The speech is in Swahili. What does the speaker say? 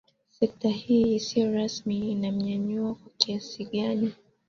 sekta hii isiyo rasmi inamnyanyua kwa kiasi gani